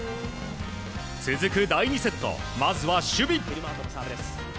続く第２セット、まずは守備。